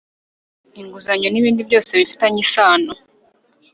Inguzanyo n’ ibindi byose bifitanye isano